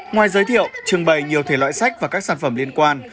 ngoài giới thiệu trưng bày nhiều thể loại sách và các sản phẩm liên quan